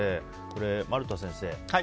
丸田先生